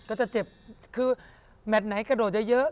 ก็จะเจ็บคือแมทไหนกระโดดเยอะ